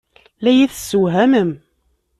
La iyi-tessewhamem.